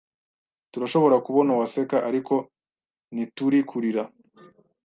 Turashobora kubona uwaseka, ariko ntituri kurira.